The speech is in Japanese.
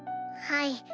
はい。